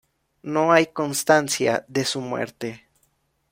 No hay constancia de su muerte.